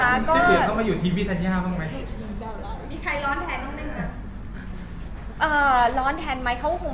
เพราะยังมีหลายคนที่อยู่ที่เรายังฝากพี่เม็กได้อะ